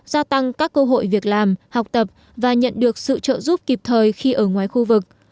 gia tăng các cơ hội việc làm học tập và nhận được sự trợ giúp kịp thời khi ở ngoài khu vực